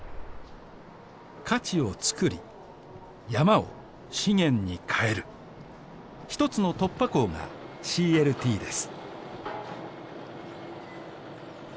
価値をつくり山を資源に変える一つの突破口がＣＬＴです